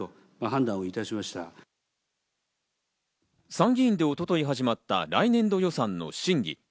参議院で一昨日、始まった来年度予算の審議。